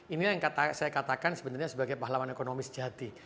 ini yang saya katakan sebenarnya sebagai pahlawan ekonomi sejati